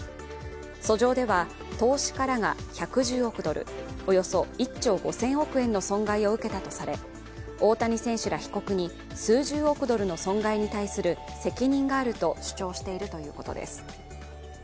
訴状では、投資家らが１１０億ドル、およそ１兆５０００億円の損害を受けたとされ大谷選手ら被告に数十億ドルの損害に対する責任があると主張しているということです。